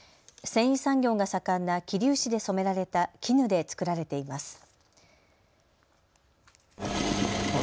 繊維産業が盛んな桐生市で染められた絹で作られています。